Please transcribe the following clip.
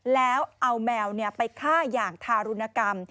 แล้วเอาแมวไปฆ่าอย่างทารุณกรรม